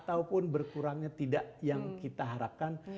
ataupun berkurangnya tidak yang kita harapkan